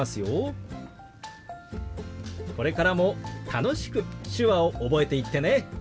これからも楽しく手話を覚えていってね。